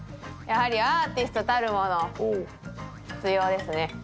やはりアーティストたるもの必要ですね。